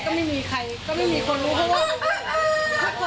ก็ไม่มีใครก็ไม่มีคนรู้เพราะว่า